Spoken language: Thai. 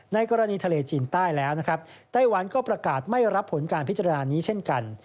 ในกรณีทะเลจีนใต้แล้วนะครับไต้หวันก็ประกาศไม่รับผลการพิจารณานี้เช่นกัน